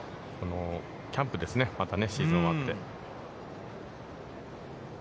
キャンプですね、またシーズン終わって。